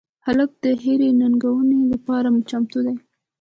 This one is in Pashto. هلک د هرې ننګونې لپاره چمتو دی.